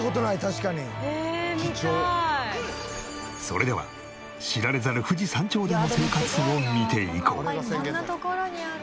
それでは知られざる富士山頂での生活を見ていこう。